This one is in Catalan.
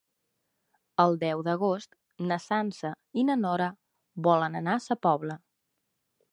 El deu d'agost na Sança i na Nora volen anar a Sa Pobla.